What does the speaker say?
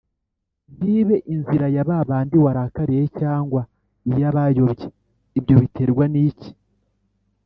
ntibe (inzira) ya ba bandi warakariye cyangwa iy’abayobye ibyo biterwa n’iki?